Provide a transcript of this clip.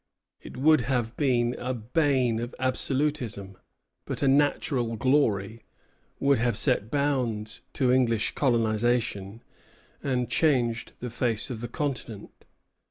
It would have been a bane of absolutism, but a national glory; would have set bounds to English colonization, and changed the face of the continent.